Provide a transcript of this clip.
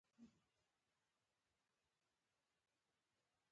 د اجمل خټک بیت مشهور دی.